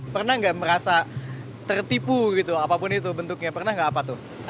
pernah nggak merasa tertipu gitu apapun itu bentuknya pernah nggak apa tuh